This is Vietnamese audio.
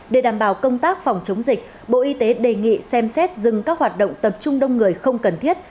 để đảm bảo công tác phòng chống dịch bộ y tế đề nghị xem xét dừng các hoạt động tập trung đông người không cần thiết